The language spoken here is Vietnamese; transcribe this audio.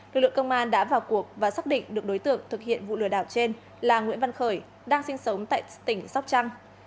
lực lượng công an đã vào cuộc và xác định được đối tượng thực hiện vụ lừa đảo trên là nguyễn văn khởi đang sinh sống tại tỉnh sóc trăng